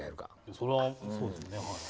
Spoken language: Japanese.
それはそうですねはい。